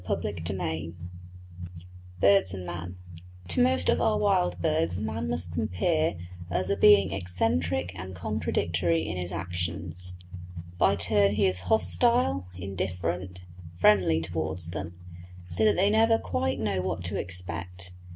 CHAPTER II BIRDS AND MAN To most of our wild birds man must appear as a being eccentric and contradictory in his actions. By turns he is hostile, indifferent, friendly towards them, so that they never quite know what to expect.